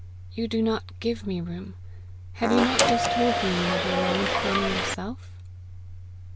You do not give me room: have you not just told me you never longed for any yourself?"